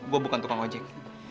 gue bukan tukang ojek